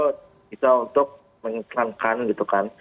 kita untuk mengiklankan gitu kan